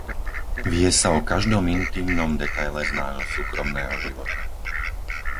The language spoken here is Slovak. Vie sa o každom intímnom detaile z nášho súkromného života.